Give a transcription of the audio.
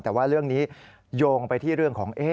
แต่ว่าเรื่องนี้โยงไปที่เรื่องของ